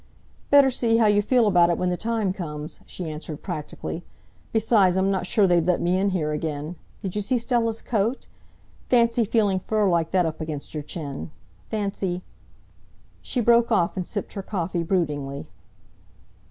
"Better see how you feel about it when the time comes," she answered practically. "Besides, I'm not sure they'd let me in here again. Did you see Stella's coat? Fancy feeling fur like that up against your chin! Fancy " She broke off and sipped her coffee broodingly.